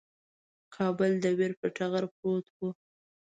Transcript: کابل د ویر پر ټغر پروت وو.